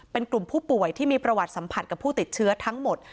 เป็นกลุ่มผู้ป่วยที่มีประวัติสัมผัสกับผู้ติดเชื้อทั้งหมด